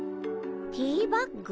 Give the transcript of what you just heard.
ティーバッグ？